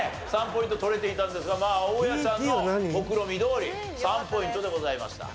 ３ポイント取れていたんですがまあ大家ちゃんのもくろみどおり３ポイントでございました。